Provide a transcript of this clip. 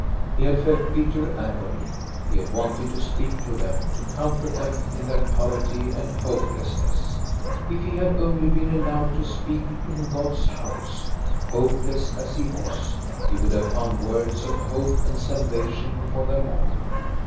He had felt bitter agony. He had wanted to speak to them, to comfort them in their poverty and hopelessness. If he had only been allowed to speak in God's house, hopeless as he was, he would have found words of hope and salvation for them all.